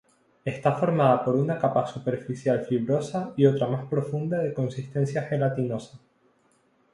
Está formada por una capa superficial fibrosa y otra más profunda de consistencia gelatinosa.